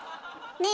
ねえ